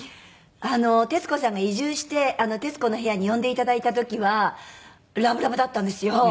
徹子さんが移住して『徹子の部屋』に呼んでいただいた時はラブラブだったんですよ。